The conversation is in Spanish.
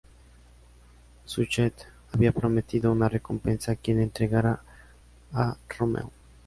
Suchet había prometido una recompensa a quien entregara a Romeu.